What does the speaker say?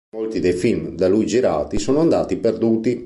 Molti dei film da lui girati sono andati perduti.